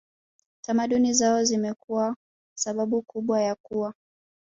tamaduni zao zimekuwa sababu kubwa ya kuwa